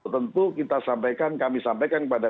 tentu kami sampaikan kepada